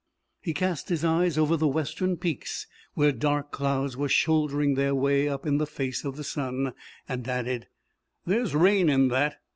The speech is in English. He cast his eyes over the western peaks, where dark clouds were shouldering their way up in the face of the sun, and added: "There's rain in that.